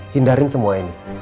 hindarin semua ini